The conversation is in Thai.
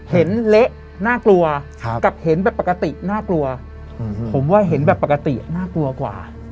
เละน่ากลัวกับเห็นแบบปกติน่ากลัวผมว่าเห็นแบบปกติน่ากลัวกว่า